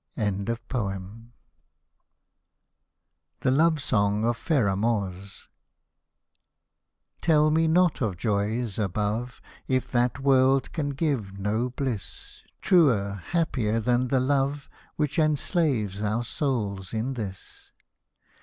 THE LOVE SONG OF FERAMORZ Tell me not of joys above. If that world can give no bliss. Truer, happier than the Love Which enslaves our souls in this.